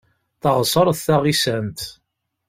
Taɣsert taɣisant.